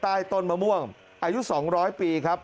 ใต้ต้นมะม่วงอายุ๒๐๐ปีครับ